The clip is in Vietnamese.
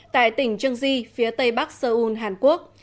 tại tỉnh trương di phía tây bắc seoul hàn quốc